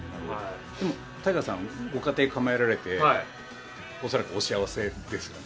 ＴＡＩＧＡさんはご家庭を構えられて恐らくお幸せですよね。